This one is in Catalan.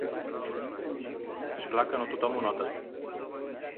És clar que no tothom ho nota.